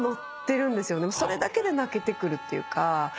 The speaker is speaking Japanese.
それだけで泣けてくるっていうか。